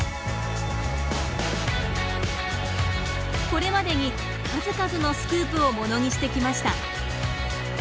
これまでに数々のスクープをものにしてきました。